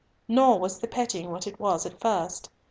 Nor was the petting what it was at first.